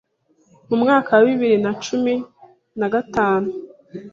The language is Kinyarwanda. Mu mwaka wa bibiri na cumi na gatandatu